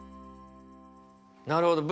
なるほど。